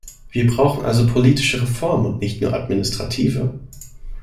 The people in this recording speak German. Wir brauchen also politische Reformen und nicht nur administrative.